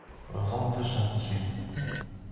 Bḍant-asent-tt-id.